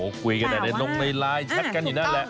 โอ้โฮคุยกันแต่ได้ลงในไลน์แชทกันอยู่นั่นแหละ